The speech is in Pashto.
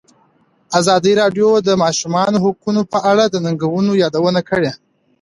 ازادي راډیو د د ماشومانو حقونه په اړه د ننګونو یادونه کړې.